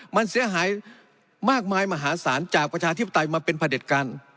มันเสียหายมากมายมหาศาลจากประชาชน์ที่ตายมาเป็นผลิตการ